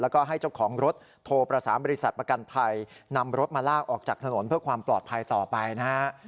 แล้วก็ให้เจ้าของรถโทรประสานบริษัทประกันภัยนำรถมาลากออกจากถนนเพื่อความปลอดภัยต่อไปนะฮะ